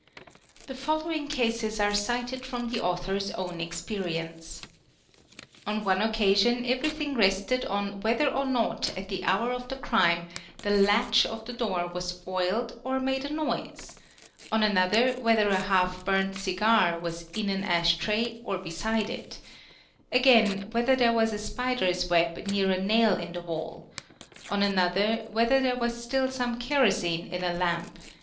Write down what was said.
| The following cases are cited from the author's own experience. On one occasion everything rested on whether or not at the hour of the crime the latch of the door was oiled or made a noise; on another, whether a half burnt cigar was in an ash tray or beside it; again, whether there was a spider's web near a nail in the wall; on another, whether there was still some kerosine in a lamp